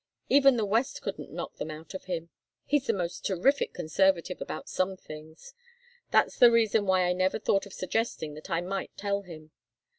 Even the West couldn't knock them out of him. He's the most terrific conservative about some things. That's the reason why I never thought of suggesting that I might tell him.